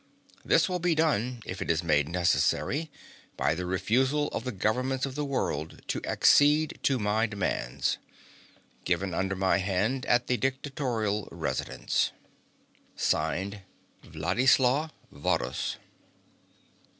This will be done, if it is made necessary by the refusal of the governments of the world to accede to my demands. Given under my hand at the dictatorial residence, "(Signed) WLADISLAW VARRHUS."